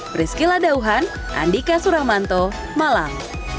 prisky ladauhan andika suramanto malam